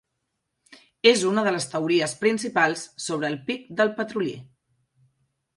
És una de les teories principals sobre el pic del petrolier.